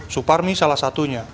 suparmi salah satunya